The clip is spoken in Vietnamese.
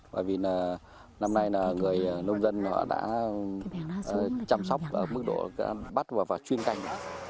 bởi vì năm nay người nông dân đã chăm sóc ở mức độ bắt và chuyên canh